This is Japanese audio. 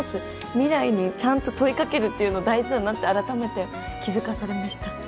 未来にちゃんと問いかけるっていうの大事だなと改めて気付かされました。